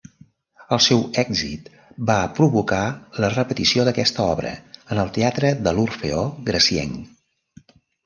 El seu èxit va provocar la repetició d'aquesta obra en el teatre de l'Orfeó Gracienc.